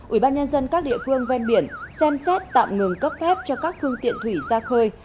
ủy ban nhân dân các địa phương ven biển xem xét tạm ngừng cấp phép cho các phương tiện thủy ra khơi